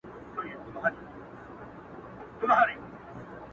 زما هينداره زما زړه او زما پير ورک دی~